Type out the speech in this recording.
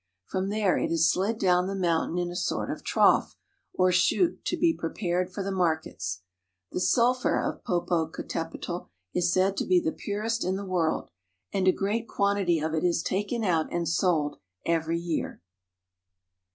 From there it is slid down the mountain in a sort of trough, or chute, to be prepared for the markets. The sulphur of Popocatepetl is said to be the purest in the world, and a great quantity of it is taken out and sold every year.